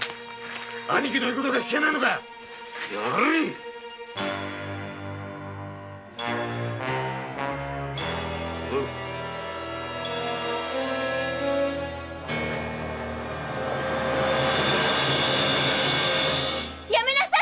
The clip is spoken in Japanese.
兄貴の言うこときけねぇのか・やめなさい